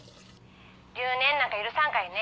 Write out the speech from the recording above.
留年なんか許さんかいね。